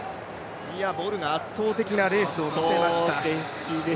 ボルが圧倒的なレースを見せました。